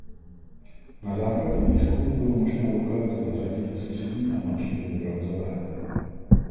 Na základě výzkumů bylo možné lokalitu zařadit do střední a mladší doby bronzové.